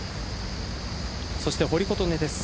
そして堀琴音です。